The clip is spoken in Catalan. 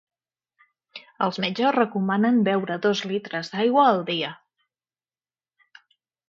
Els metges recomanen beure dos litres d'aigua al dia.